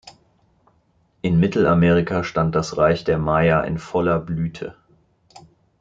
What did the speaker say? In Mittelamerika stand das Reich der Maya in voller Blüte.